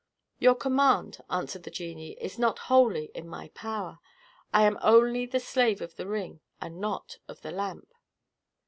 "Your command," answered the genie, "is not wholly in my power; I am only the slave of the ring, and not of the lamp."